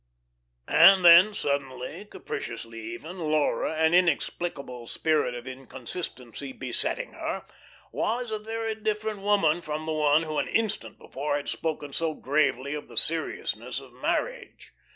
And then, suddenly, capriciously even, Laura, an inexplicable spirit of inconsistency besetting her, was a very different woman from the one who an instant before had spoken so gravely of the seriousness of marriage.